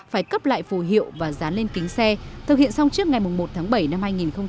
phải cấp lại phù hiệu và dán lên kính xe thực hiện xong trước ngày một tháng bảy năm hai nghìn hai mươi